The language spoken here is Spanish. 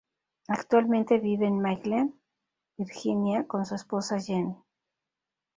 Actualmente vive en McLean, Virginia con su esposa Jenny.